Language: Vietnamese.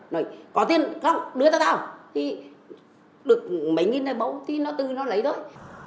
nói có tiền không đưa tao gọi